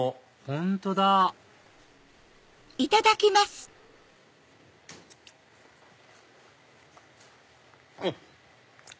本当だうん！